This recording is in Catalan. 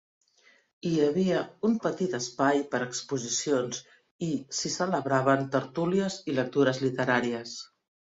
Hi havia un petit espai per a exposicions i s'hi celebraven tertúlies i lectures literàries.